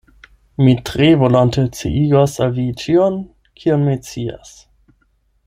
Mi tre volonte sciigos al vi ĉion, kion mi scias.